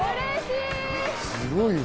すごいわ。